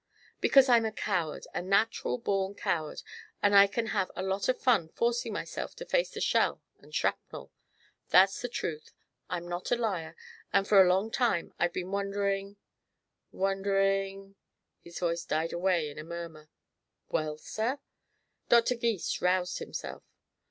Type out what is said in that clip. "Because I'm a coward a natural born coward and I can have a lot of fun forcing myself to face the shell and shrapnel. That's the truth; I'm not a liar. And for a long time I've been wondering wondering " His voice died away in a murmur. "Well, sir?" Dr. Gys roused himself.